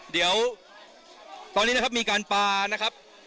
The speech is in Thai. เดี๋ยวตอนนี้นะครับมีการปลานะครับ